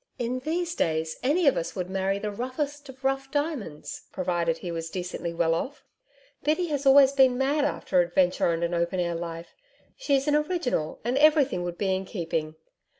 In these days any of us would marry the roughest of rough diamonds, provided he was decently well off. Biddy has always been mad after adventure and an open air life. She's an original, and everything would be in keeping.'